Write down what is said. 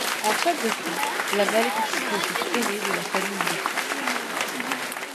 En toile de fond: la malédiction des fils aînés de la famille Lee.